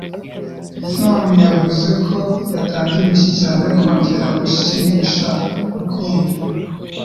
Thorn yavuze ko yatangiye imishyikirano yo kongera gusinyisha Rukundo